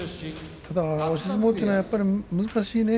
ただ押し相撲というのは難しいね。